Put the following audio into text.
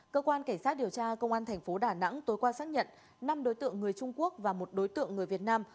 cơ quan cảnh sát điều tra công an thành phố đà nẵng tối qua xác nhận năm đối tượng người trung quốc và một đối tượng người việt nam